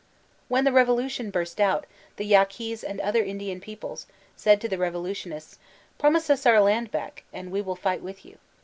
When the revolution burst out, the Yaqub and other Indian peoples, said to the revolutionbts : ''Promise us oor lands back, and we mil fight with you."